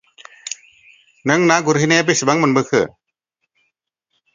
नों ना गुरहैनाया बेसेबां मोनबोखो?